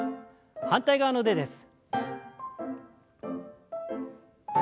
反対側の腕です。